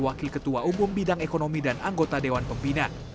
wakil ketua umum bidang ekonomi dan anggota dewan pembina